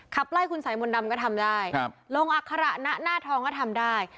ขับไล่คุณสายมนต์ดำก็ทำได้ลงอัคระณหน้าทองก็ทำได้